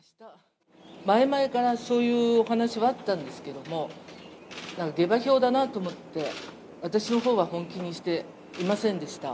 前々からそういうお話はあったんですけども、下馬評だなと思って、私のほうは本気にしていませんでした。